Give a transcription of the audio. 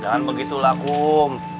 jangan begitu lah kum